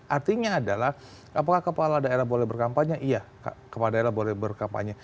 artinya adalah apakah kepala daerah boleh berkampanye iya kepala daerah boleh berkampanye